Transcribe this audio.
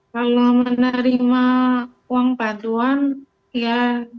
kalau menerima uang paduan ya